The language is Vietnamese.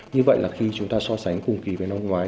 như vậy là khi chúng ta so sánh cùng kỳ với năm ngoái